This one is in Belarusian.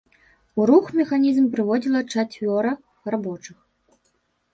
У рух механізм прыводзіла чацвёра рабочых.